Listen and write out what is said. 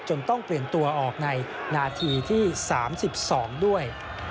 ต้องเปลี่ยนตัวออกในนาทีที่๓๒ด้วย